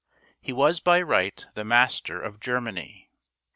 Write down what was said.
He was by right the master of Germany.